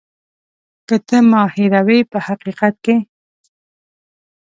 که ته ما هېروې په حقیقت کې.